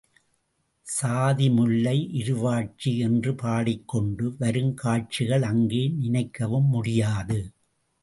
சாதிமுல்லை, இருவாட்சி என்று பாடிக் கொண்டு வரும் காட்சிகள் அங்கே நினைக்கவும் முடியாது.